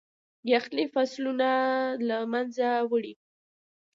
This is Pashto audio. يخني فصلونه له منځه وړي.